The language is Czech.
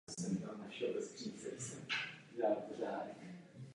Editoval knihy Václava Klause.